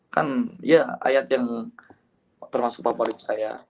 kan ya ayat yang termasuk favorit saya